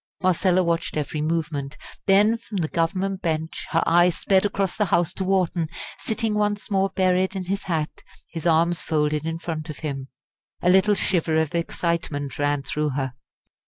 Marcella watched every movement; then from the Government bench her eye sped across the House to Wharton sitting once more buried in his hat, his arms folded in front of him. A little shiver of excitement ran through her.